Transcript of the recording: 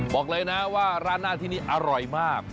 บอกเลยนะว่าร้านหน้าที่นี่อร่อยมาก